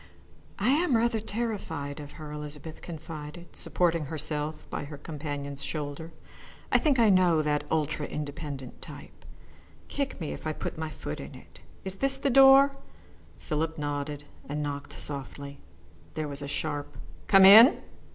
"I am rather terrified of her," Elizabeth confided, supporting herself by her companion's shoulder. "I think I know that ultra independent type. Kick me if I put my foot in it. Is this the door?" Philip nodded and knocked softly. There was a sharp "Come in!"